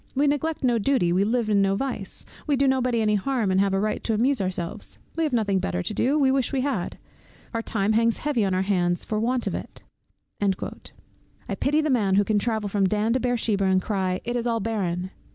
We neglect no duty, we live in no vice, we do nobody any harm, and have a right to amuse ourselves. We have nothing better to do, we wish we had; our time hangs heavy on our hands for want of it." I pity the man who can travel from Dan to Beer sheba, and cry "It is all barren."